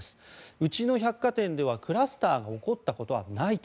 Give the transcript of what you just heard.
うちの百貨店では、クラスターが起こったことはないと。